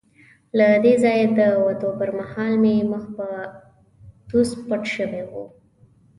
له دې ځایه د وتو پر مهال مې مخ په توس پټ شوی وو.